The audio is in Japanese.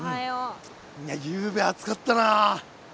いやゆうべ暑かったなあ。